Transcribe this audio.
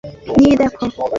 বাবাকে গিয়ে দেখো!